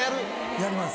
やります。